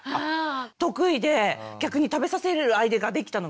得意で逆に食べさせる相手ができたのがうれしくて。